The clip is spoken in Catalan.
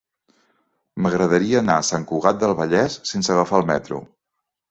M'agradaria anar a Sant Cugat del Vallès sense agafar el metro.